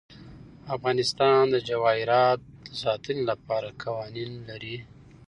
افغانستان د جواهرات د ساتنې لپاره قوانین لري.